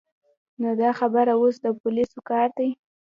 نو دا خبره اوس د پولیسو کار دی.